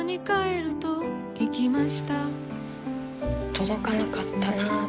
届かなかったな。